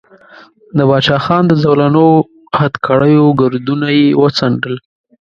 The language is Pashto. د باچا خان د زولنو او هتکړیو ګردونه یې وڅنډل.